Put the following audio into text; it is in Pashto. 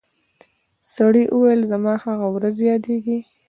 سړي وویل زما هغه ورځ یادیږي